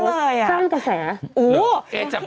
ไม่รู้เลยแกะแส